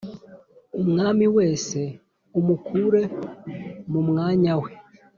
umwami wese umukure mu mwanya we